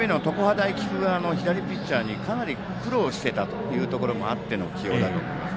大菊川の左ピッチャーにかなり苦労してたというところもあっての起用だと思います。